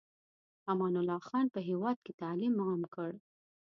امان الله خان په هېواد کې تعلیم عام کړ.